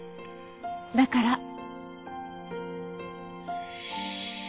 だから。